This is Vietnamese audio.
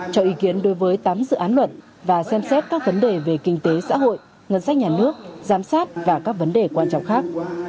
cho ý kiến đối với tám dự án luật và xem xét các vấn đề về kinh tế xã hội ngân sách nhà nước giám sát và các vấn đề quan trọng khác